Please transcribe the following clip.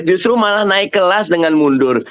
justru malah naik kelas dengan mundur